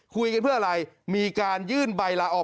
คุยกันเพื่ออะไรมีการยื่นใบลาออก